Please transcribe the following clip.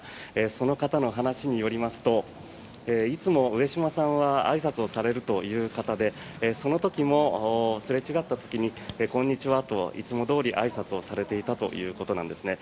その方の話によりますといつも上島さんはあいさつをされるという方でその時もすれ違った時にこんにちはと、いつもどおりあいさつをされていたということなんですね。